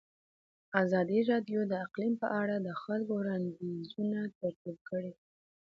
ازادي راډیو د اقلیم په اړه د خلکو وړاندیزونه ترتیب کړي.